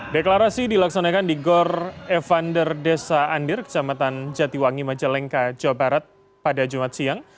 deklarasi dilaksanakan di gor evander desa andir kecamatan jatiwangi majalengka jawa barat pada jumat siang